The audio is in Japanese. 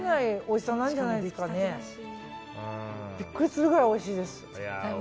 ビックリするぐらいおいしいです。